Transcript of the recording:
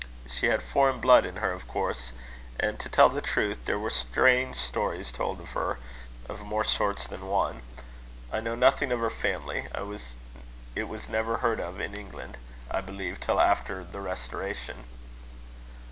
She had foreign blood in her, of course; and, to tell the truth, there were strange stories told of her, of more sorts than one. I know nothing of her family. It was never heard of in England, I believe, till after the Restoration."